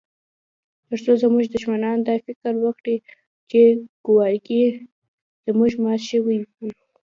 ترڅو زموږ دښمنان دا فکر وکړي چې ګواکي موږ مات شوي یو